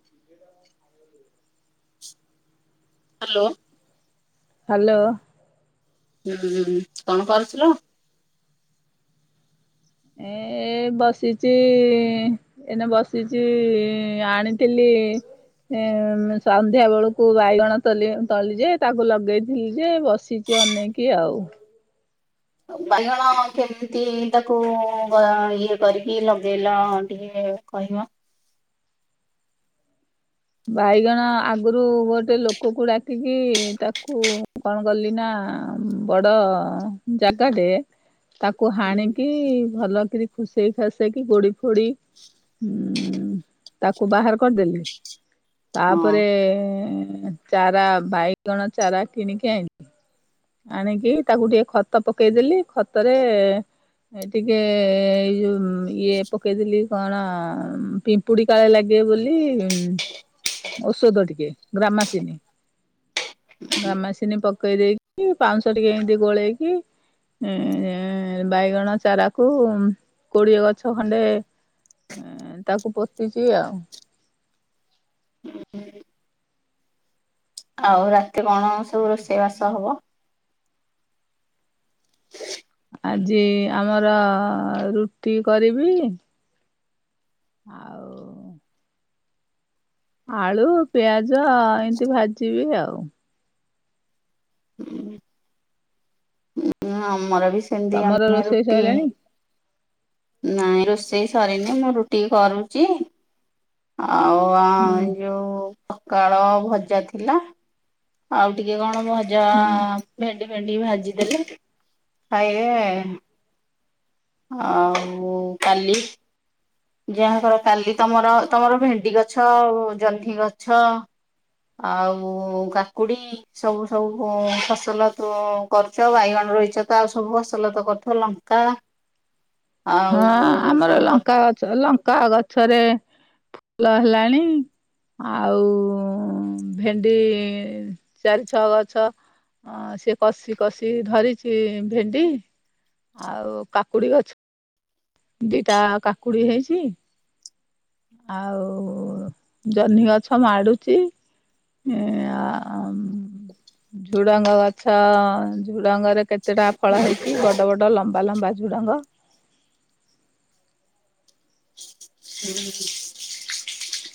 [inaudible] Hello. Hello. କଣ କରୁଥିଲ? ଏ ଏ ବସିଛି ଏନେ ବସିଛି ଆଣିଥିଲି ସନ୍ଧ୍ୟା ବେଳକୁ ବାଇଗଣ ତ ତଳି ଯେ ତାକୁ ଲଗେଇଥିଲି ଯେ ବସିଛି ଟିକେ ଅନେଇକି ଆଉ ବାଇଗଣ କେମିତି ତାକୁ ଇଏ କରିକି ଲଗେଇଲ ଟିକେ କହିବ ବାଇଗଣ ଆଗରୁ ଗୋଟେ ଲୋକକୁ ଡାକିକି ତାକୁ କଣ କଲି ନା ବଡ ଜାଗାଟରେ ତାକୁ ହାଣିକି ଭାଲ କିରି ଖୁସେଇ ଖାସେଇକି ଗୋଡି ଫୋଡି ଉଁ ତାକୁ ବାହାର କରିଦେଲି। ହଁ ତାପରେ ଚାରା ବାଇଗଣ ଚାରା କିଣିକି ଆଇିଲ ଆଣିକି ତାକୁ ଟିକେ ଖତ ପକେଇଦେଲି ଖତରେ ଏ ଟିକେ ଏଇ ଯୋଉ ଇଏ ପକେଇଥିଲି କଣ ପିମ୍ପୁଡି କାଳେ ଲାଗି ଏ ବୋଲି ଗ୍ରାମାସିିନୀ ଗ୍ରାମାସିନୀ ପ ପକେଇ ଦେଇେଇକି ପାଞ୍ଚଶହ ଟିକେ ଏମତି ଗୋଳେଇକି। ଏ ବାଇଗଣ ଚାରାକୁ କୋଡିଏ ଗଛ ଖଣ୍ଡେ ହଁ ତାକୁ ପୋଟିଚି ଆଉ ହ [inaudible] ହୁଁ [unintelligible] ଆଉ ରାତି କଣ ସବୁ ରୋଷେଇ ବାସ ହବ ଆଜି ଆମର ରୁଟି କରିବି। ଆଉ ଆଳୁ ପିଆଜ ଏମିତି ଭାଜିବି ଆଉ ହୁଁ ଆମର ବି ସେମିତି ତମର ଆମେ ରୋଷେଇ ରୁଟି ସଇଲାଣି? ନାଇଁ ରୋଷେଇ ସରିନି ମୁଁ ରୁଟି କରୁଛି। ଆଉ ହୁଁ ଯୋଉ ସକାଳ ଭଜା ଥିଲା ଆଉ ଟିକେ କଣ? ଭଜା ହୁଁ ଭେଣ୍ଡି ଫେଣ୍ଡି ଭାଜିଦେଲେ ଖାଇବେ ଆଉ କାଲି ଯାହାକର କାଲି ତମର ତମର ଭେଣ୍ଡି ଗଛ ଆଉ ଜହ୍ନି ଗଛ ଆଉ କାକୁଡି ସବୁ ସବୁ ଫସଲ ତ କରୁଛ ବାଇଗଣ ରହିଛ ତ ଆଉ ସବୁ ଫସଲ ତ କରିଥ ଲଙ୍କା ହଁ ଆଉ ଆମର ସବୁ କରୁଛ ଲଙ୍କା ଗଛ ଲଙ୍କା ଗଛରେ ଫୁଲ ହେଲାଣି ଆଉ ଭେଣ୍ଡି ଚାରି ଛଅ ଗଛ ଅ ସେି କଷି କଷି ଧରିଛି ଭେଣ୍ଡି ଆଉ କାକୁଡି ଗଛ ଦିଟା କାକୁଡି ହେଇଛି। ଆଉ ଜହ୍ନି ଗଛ ମାଡୁଛି। ଏ ଆ ଝୁଡାଙ୍ଗ ଗଛ ଝୁଡାଙ୍ଗରେ କେତେଟା ଫଳ ହେଇଛି ବଡ ବଡ ଲମ୍ବା ଲମ୍ବା ଝୁଡଙ୍ଗ ହୁଁ।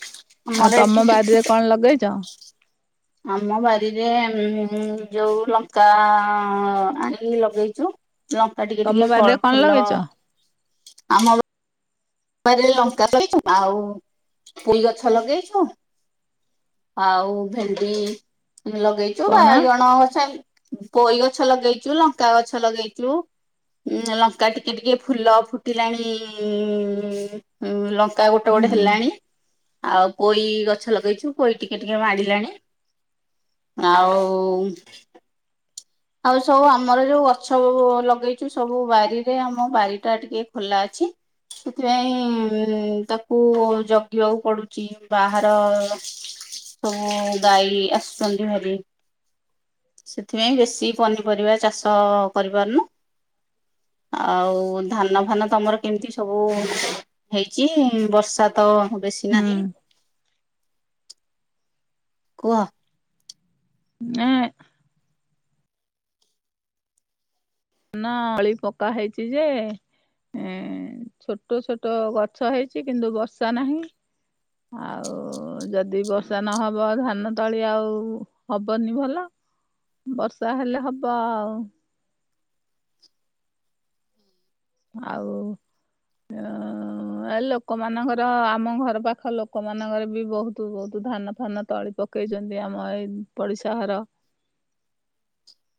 ଆଉ ତମ ବାାରରେ କଣ ଲଗେଇଛ? ଆମ ବାରିରେ ଯୋଉ ଲଙ୍କା ଆଣି ଲଗେଇଛୁ ଲଙ୍କା ଟିକେ ତମ ଟିକେ ବାରିରେ କଣ ଫୁଲ ଲଗେଇଛ ଆମ। ଲଙ୍କା ଲଛୁ ଆଉ ପଇ ଗଛ ଲଗେଇଛୁ। ଆଉ ଭେଣ୍ଡି ଲଗେଇଛୁ କଣ ବାାଇ ଜଣ ଅ ସେ ପୋଇ ଗଛ ଲଗେଇଛୁ ଲଙ୍କା ଗଛ ଲଗେଇଛୁ। ଉ ଲଙ୍କା ଟିକେ ଟିକେ ଫୁଲ ଫୁଟିଲାଣି। ଲଙ୍କା ଗୋଟେ ହୁଁ ଗୋଟେ ହେଲାଣି ଆଉ ପୋଇ ଗଛ ଲଗେଇଛୁ ପୋଇ ଟିକେ ଟିକେ ମାଡ଼ିଲାଣି ଆଉ। ଆଉ ସବୁ ଆମର ଯୋଉ ଗଛ ଲଗେଇଛୁ, ସବୁ ବାରିରେ ଆମ ବାରି ଟା ଟିକେ ଖୋଲା ଅଛି। ସେଥିପାଇଁ ତାକୁ ଜଗିବାକୁ ପଡୁଛି ବାହାର ସବୁ ଗାଈ ଆସୁଛନ୍ତି, ଭାରି ସେଥିପାଇଁ ବେଶୀ କି ପନିପରିବା ଚାଷ କରିପାରୁନୁ । ଆଉ ଧାନ ଫାନ ତମର କେମିତି ସବୁ ହେଇଛି ବର୍ଷା ତ ବେଶୀ ହୁଁ ନାହିଁ । କୁହ । ନା ଅଳି ପକା ହେଇଚ ଯେ ଏ ଛୋଟ ଛୋଟ ଗଛ ହେଇଛି କିନ୍ତୁ ବର୍ଷା ନାହିଁ। ଆଉ ଯଦି ବର୍ଷା ନହବ ଧାନ ତଳି ଆଉ ହବନି ଭଲ। ବର୍ଷା ହେଲେ ହବ ଆଉ ଆଉ। ଅ ଆ ଲୋକମାନଙ୍କର ଆମ ଘର ପାଖ ଲୋକମାନଙ୍କର ବି ବହୁତ ବହୁତ ଧାନ ଫାନ ତଳି ପକେଇଛନ୍ତି ଆମ ଏଇ ପଡିଶା ଘର। [inaudible]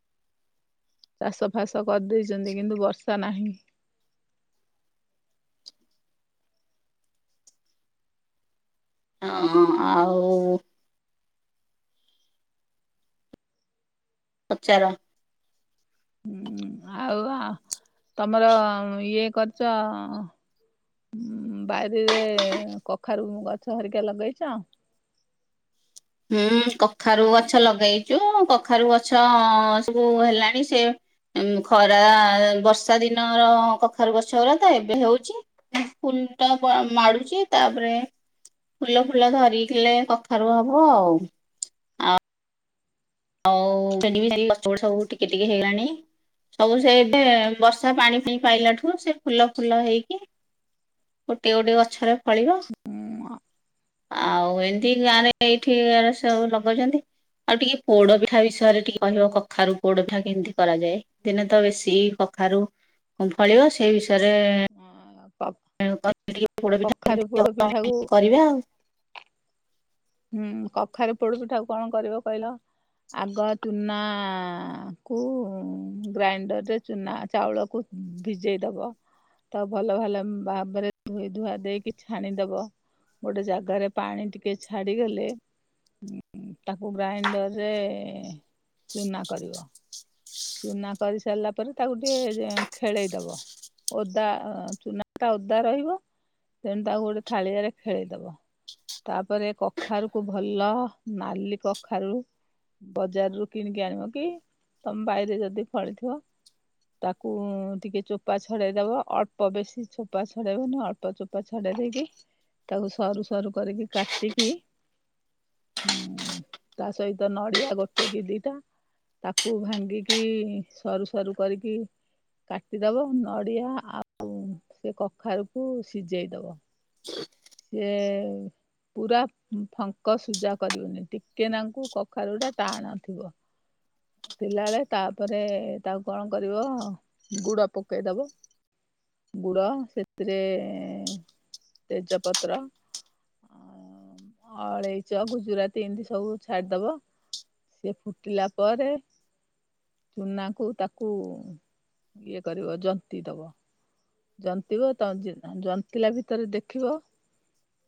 ଚାଷ ଫାସ କରିଦେଇଛନ୍ତି କିନ୍ତୁ ବର୍ଷା ନାହିଁ। ହଁ ଆଉ। ପଚାର। ଉଁ ଆଉ ତମର ଇଏ କରୁଛ। ବାରିରେ କଖାରୁ ଗଛ ହେରିକା ଲଗେଇଛ। ହୁଁ କଖାରୁ ଗଛ ଲଗେଇଛୁ କଖାରୁ ଗଛ ସବୁ ହେଲାଣି ସେ ଉଁ ଖରା ବର୍ଷା ଦିନର କଖାରୁ ଗଛ ଗଲା ତ ଏବେ ହଉଛି। [unintelligible] ମାଡୁଛି ତାପରେ ଫୁଲ ଫୁଲ ଧରିଲେ କଖାରୁ ହବ। ହ ଆଉ ହଉ [unintelligible] ସବୁ ଟିକେ ଟିକେ ହେଇଗଲାଣି ସବୁ ସେ ବର୍ଷା ପାଣି ପି ପାଇଲା ଠୁ ସେ ଫୁଲ ଫୁଲ ହେଇକି ଗୋଟେ ଗୋଟେ ଗଛରେ ଫଳିବ। ଉଁ ଆଉ ଏମିତି ଗାଁ ରେ ଏଇଠି ସବୁ ଲଗାଉଛନ୍ତି ଆଉ ଟିକେ। ପୋଡ ପିଠା ବିଷୟରେ ଟିକେ କହିବ, କଖାରୁ ପୋଡ ପିଠା କେମିତି କରାଯାଏ। ଦିନେ ତ ବେଶୀ କଖାରୁ କ ଫଳିବ ସେଇ ବିଷୟରେ ପୋଡ କଖାରୁ ପୋଡ ପିଠା ପିଠାକୁ କରିବା ଆଉ ହୁଁ କଖାରେ ପୋଡୁଛିି, ଠାକୁ କଣ କରିବ କହିଲ। ଆଗ ଚୁନା କୁ ଗ୍ରାଇଣ୍ଡରରେ ଚୁନା ଚାଉଳକୁ ଭିଜେଇ ଦବ ତ ଭଲ ଭଲ ଭାବରେ ଧୋଇ ଧୁଆ ଦେଇକି ଛାଣିଦବ ଗୋଟେ ଜାଗାରେ ପାଣି ଟିକେ ଛାଡିଗଲେ। ତାକୁ ଗ୍ରାଇଣ୍ଡର ରେ ଚୁନା କରିବ। ଚୁନା କରି ସାରିଲା ପରେ ତାକୁ ଟିକେ ଖେଳେଇ ଦବ। ଓଦା ଚୁନା ଟା ଓଦା ରହିବ। ତେଣୁ ତାକୁ ଗୋଟେ ଥାଳିଆରେ ଖେଳିଦବ। ତାପରେ କଖାରୁ କୁ ଭଲ ନାଲି କଖାରୁ ବଜାର ରୁ କିଣିକି ଆଣିବ କି ତମ ବାାଇରେ ଯଦି ଫଳିଥିବ ତାକୁ ଟିକେ ଚୋପା ଛଡେଇଦବ, ଅଳ୍ପ ବେଶୀ ଚୋପା ଛଡେଇବ ନା ଅଳ୍ପ ଚୋପା ଛଡେଇ ଦେଇକି ତାକୁ ସରୁ ସରୁ କରିକି କାଟିକି ହୁଁ ତା ସହିତ ନଡିଆ ଗୋଟେ କି ଦିଟା ତାକୁ ଭାଙ୍ଗି ଗିକି ସରୁ ସରୁ କରିକି କାଟିଦବ ନଡ଼ିଆ ଆଉ ସେ କଖାରୁକୁ ସିଝେଇ ଦବ। [inaudible] ହ [unintelligible] ପୁରା ଫଙ୍କ ସୁଜା କରିବନି ଟିକେ ନାଙ୍କୁ କଖାରୁ ରା ଟାଣ ଥିବ। ଥିଲାବେଳେ ତାପରେ ତାକୁ କଣ କରିବ ଗୁଡ ପକେଇଦବ। ଗୁଡ ସେଥିରେ ତେଜପତ୍ର। ଅଳେଇଚ ଗୁଜୁରାତି ଏମିତି ସବୁ ଛାଡିଦବ। ସେ ଫୁଟିଲା ପରେ ଚୁନା କୁ ତାକୁ ଇଏ କରିବ ଜନ୍ତି ଦବ। ଜନ୍ତିବ ତ ଜନ୍ତିଲା ଭିତରେ ଦେଖିବ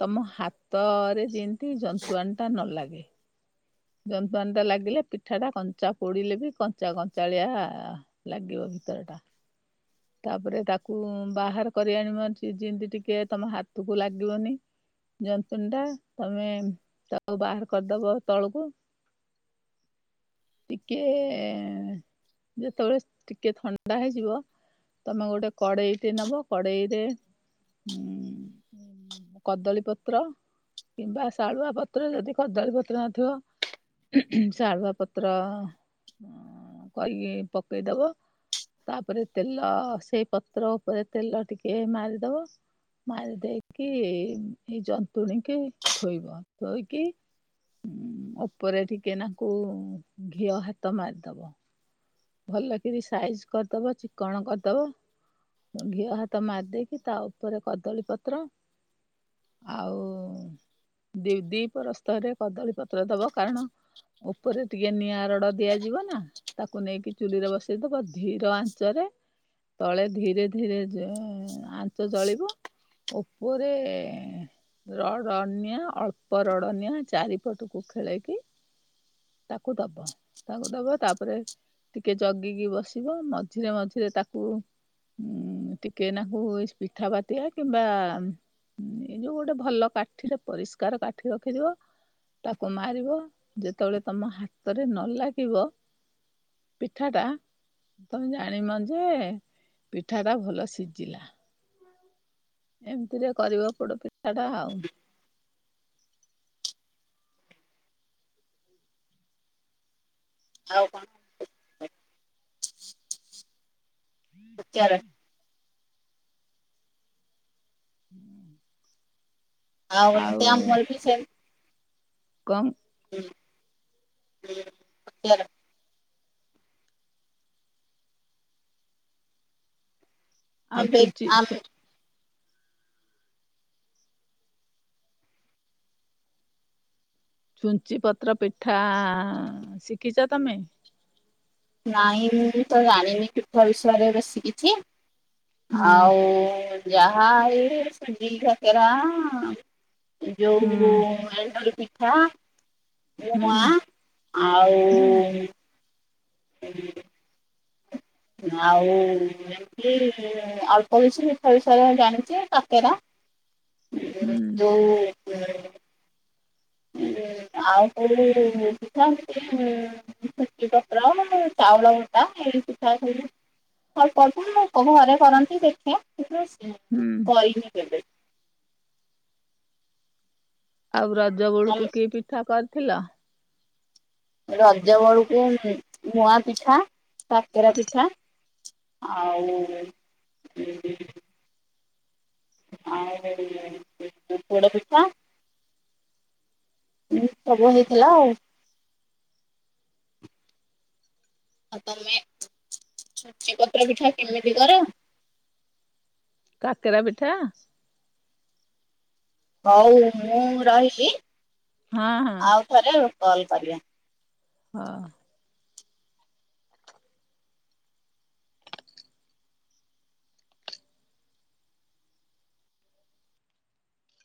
ତମ ହାତରେ ଯେମତି ଜନ୍ତୁଆଣୀ ଟା ନଲାଗେ। ଜନ୍ତଣି ଟା ଲାଗିଲେ ପିଠା ଟା କଞ୍ଚା ପୋଡିଲେ ବି କଞ୍ଚା କଞ୍ଚାଳିଆ ଲାଗିବ । ଭିତର ଟା। ତାପରେ ତାକୁ ବାହାର କରି ଆଣିବ ଯେମତି ଟିକେ ତମ ହାତକୁ ଲାଗିବନି। ଜନ୍ତୁଣୀ ଟା ତମେ ତାକୁ ବାହାର କରିଦବ ତଳୁକୁ। [inaudible] ଟିକେ ଯେତେବେଳେ ଟିକେ ଥଣ୍ଡା ହେଇଯିବ। ତମେ ଗୋଟେ କଡେଇଟେ ନବ କଡେଇରେ କଦଳୀ ପତ୍ର କିମ୍ବା ଶାଳୁଆ ପତ୍ର ଯଦି କଦଳୀ ପତ୍ର ନଥିବ ଶାଳୁଆ ପତ୍ର କଇକି ପକେଇଦବ। ତାପରେ ତେଲ ସେଇ ପତ୍ର ଉପରେ ତେଲ ଟିକେ ମାରିଦବ। ମାରି ଦେଇକିି ଏଇ ଜନ୍ତୁଣିକି ଥୋଇବ ଥୋଇକି ଓପରେ ଟିକେ ନାକୁ ଘିଅ ହାତ ମାରିଦବ। ଭଲ କିରି ସାଇଜ କରିଦବ ଚିକଣ କରିଦବ। ଘିଅ ହାତ ମାରିଦେଇକି ତା ଉପରେ କଦଳୀ ପତ୍ର। ଆଉ ଦି ଦି ପରସ୍ତ ରେ କଦଳୀପ ତ୍ର ଦବ କାରଣ ଉପରେ ଟିକେ ନିଆଁ ରଡ ଦିଆଯିବ ନା ତାକୁ ନେଇକି ଚୁଲିରେ ବସେଇଦବ ଧୀର ଆଞ୍ଚରେ ତଳେ ଧୀରେ ଧୀରେ ଆଞ୍ଚ ଜଳିବ। ଓପ ରେ ରଡ଼ନିଆ ଅଳ୍ପ ରଡ଼ନିଆ ଚାରିପଟକୁ ଖେଳେଇକି ତାକୁ ଦବ ତାକୁ ଦବା ତାପରେ ଟିକେ ଜଗିକି ବସିବ ମଝିରେ ମଝିରେ ତାକୁ ହୁଁ ଟିକେ ନାକୁ ପିଠାପାତିଆ କିମ୍ବା ଏଇ ଯୋଉ ଗୋଟେ ଭଲ କାଠିରେ ପରିଷ୍କାର କାଠି ରଖିଥିବ। ତାକୁ ମାରିବ ଯେତେବେଳେ ତମ ହାତରେ ନ ଲାଗିବ। ପିଠାଟା ତମେ ଜାଣିମ ଯେ ପିଠା ଟା ଭଲ ସିଜିଲା। ଏମିତିରେ କରିବ ପୋଡ ପିଠା ଟା ଆଉ। ଆଉ କଣ? ହ ହ ପଚାର ହୁଁ ଆଉ [unintelligible] ଆମର ବି ସେମ୍। କମ୍ [unintelligible] ଆଉ ଛୁଞ୍ଚି [unintelligible] ଛୁଞ୍ଚି ପତ୍ର ପିଠା ଶିକିଚ ତମେ? ନାଇଁ ମୁଁ ତ ଜାଣିନି ପିଠା ବିଷୟରେ ବେଶୀ କିିଛି। ହୁଁ ଆଉ ଯାହା ଏ ସୁଜି କାକେରା। ହୁଁ ଯୋଉ ଏଣ୍ଡୁରି ପିଠା। ହୁଁ [unintelligible] ହୁଁ ଆଉ [unintelligible] ଆଉ ଏମତି ଅଳ୍ପ କିଛି ମିଠ ବିଷୟରେ ଜାଣିଛିେ କାତରା ହୁଁ ଯୋଉ ହୁଁ। ଆଉ କୋଉଠି କପଡ଼ ଆ ଚାଉଳ ଗଟା ଇ ଅଳ୍ପଳ୍ପୋକ ଘରେ କରନ୍ତି ଦେଖି ହୁଁ କରିନି କେବେ? ଆଉ ରଜ ତମେ ଗୋଳକୁ କିଏ ପିଠା କରିଥିଲ। ରଜ ବଳକୁ ନୂଆ ପିଠା ତାକେରା ପିଠା ଆଉ ଉଁ ଡା ଭଛ ସବୁ ହେଇଥିଲା ଆଉ। ଆଉ ତମେ ଛୁଟି ପତ୍ର ପିଠା କେମିତି କର। କାକରା ବେଠା ହଉ ମୁଁ ରହିବି ହଁ ହଁ ଆଉ ଥରେ କଲ କରିବା। ହଁ।